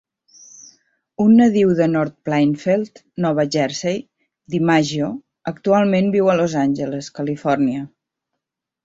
Un nadiu de North Plainfield, Nova Jersey, DiMaggio actualment viu a Los Angeles, Califòrnia.